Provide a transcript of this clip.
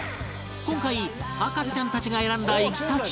今回博士ちゃんたちが選んだ行き先は